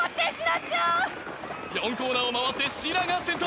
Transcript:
４コーナーを回ってシラが先頭